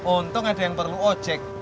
untung ada yang perlu ojek